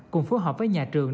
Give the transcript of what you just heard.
cùng phù hợp với nhà trường